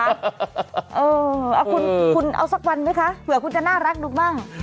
เออคุณเอาสักวันไหมคะเผื่อคุณจะน่ารักดูบ้าง